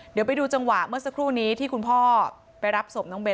เดี๋ยวไปดูจังหวะเมื่อสักครู่นี้ที่คุณพ่อไปรับศพน้องเบน